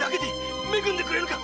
恵んでくれぬか！